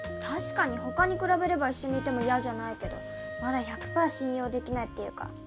確かに他に比べれば一緒にいても嫌じゃないけどまだ１００パー信用できないっていうか